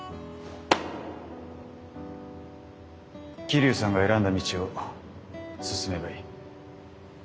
桐生さんが選んだ道を進めばいい。